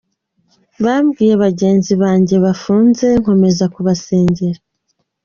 Bambwiye bagenzi banjye bafunzwe, nkomeza kubasengera.